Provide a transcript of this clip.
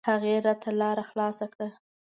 هغې راته لاره خلاصه کړه.